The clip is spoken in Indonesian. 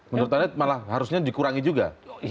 menurut anda malah harusnya dikurangi juga